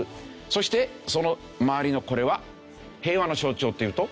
そしてその周りのこれは平和の象徴というと？